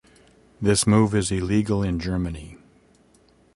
This move is illegal in Germany.